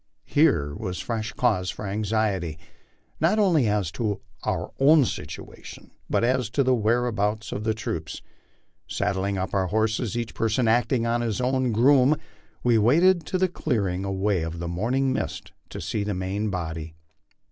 Here was fresh cause for anxiety, not only as to our own situation, but as to the whereabouts of the troops. Sad dling up our horses, each person acting as his own groom, we awaited the clearing away of the morning mist to seek the main body.